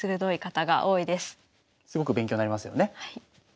はい。